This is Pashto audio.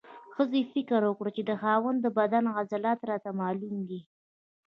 ښځې فکر وکړ چې د خاوند د بدن عضلات راته معلوم دي.